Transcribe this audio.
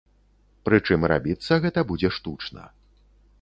Прычым рабіцца гэта будзе штучна.